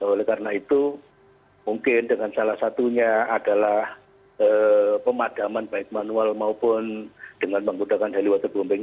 oleh karena itu mungkin dengan salah satunya adalah pemadaman baik manual maupun dengan menggunakan heli waterbombing